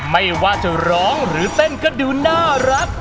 ไม่ว่าจะร้องหรือเต้นก็ดูน่ารัก